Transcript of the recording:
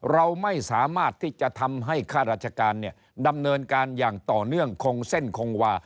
เราไม่สามารถที่จะทำให้ข้าราชการเนี่ยดำเนินการอย่างต่อเนื่องคงเส้นคงวา